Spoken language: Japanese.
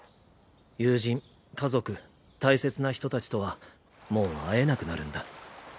友人家族大切な人たちとはもう会えなくなるんだ。